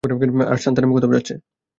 Sir, Santhanam কোথাও যাচ্ছে।